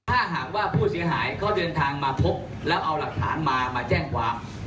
ถ้าหากว่าผู้เสียหายเขาเดินทางมาพบแล้วเอาหลักฐานมามาแจ้งความ